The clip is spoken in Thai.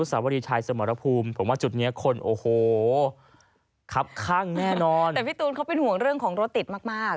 แต่พี่ตูนเขาเป็นห่วงเรื่องของรถติดมาก